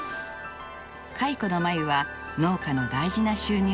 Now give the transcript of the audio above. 蚕の繭は農家の大事な収入源。